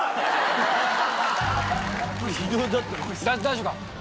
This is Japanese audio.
大丈夫か？